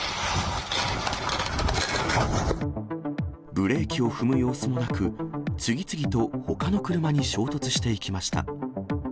ブレーキを踏む様子もなく、次々とほかの車に衝突していきました。